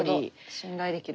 信頼できる。